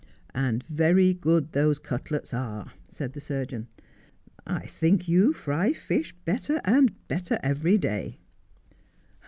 ' And very good those cutlets are,' said the surgeon. ' I think you fry fish better and better evei y day.'